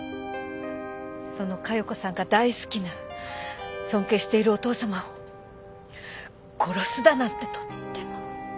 その加代子さんが大好きな尊敬しているお父さまを殺すだなんてとっても。